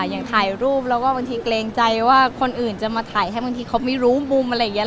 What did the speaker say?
อย่างถ่ายรูปแล้วก็บางทีเกรงใจว่าคนอื่นจะมาถ่ายให้บางทีเขาไม่รู้มุมอะไรอย่างนี้